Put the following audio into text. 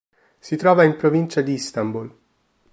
Si trova in provincia di Istanbul.